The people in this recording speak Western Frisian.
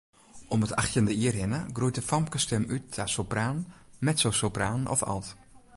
Om it achttjinde jier hinne groeit de famkesstim út ta sopraan, mezzosopraan of alt.